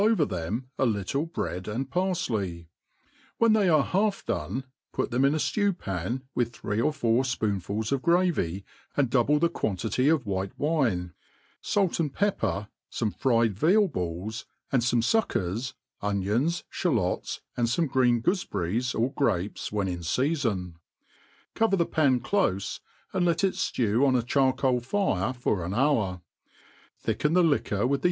over Aem nUttle bread.and pariley 1 when they arc half done, pi^t theme in aflew'i)an:, With three or four (pogafuls of gravy, and dovUe the quantky of white wine, fa}t, and pepper* ibme fried veal balls, and fome fvckera, omonv Aialot3«i ftq^<io«ee gn^H goofeberries or grapes when in feafon; cover the pan clofe, and let it llew on a charcoal fire for an hour ; thicken the liquor with. the.